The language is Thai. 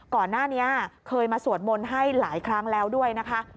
ก่อนหน้านี้เคยมาสวดมนต์ให้หลายครั้งแล้วด้วยนะคะ